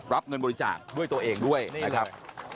รับเงินบริจาคด้วยตัวเองด้วยนะครับ